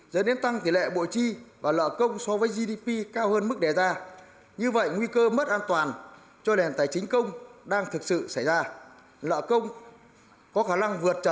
dẫn đến tăng tỷ lệ bội tri và lợi công so với gdp cao hơn mức đề ra như vậy nguy cơ mất an toàn cho đền tài chính công đang thực sự xảy ra